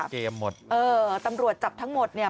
เกมหมดเออตำรวจจับทั้งหมดเนี่ย